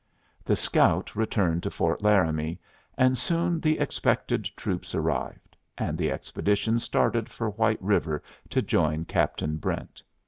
The scout returned to Fort Laramie, and soon the expected troops arrived, and the expedition started for White River to join Captain Brent.